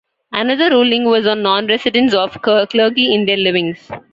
Another ruling was on non-residence of clergy in their livings.